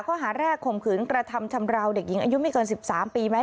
ข้อหาแรกข่มขืนกระทำชำราวเด็กหญิงอายุไม่เกิน๑๓ปีไหม